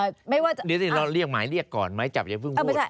เดี๋ยวเราเรียกหมายเรียกก่อนหมายจับอย่าเพิ่งพูด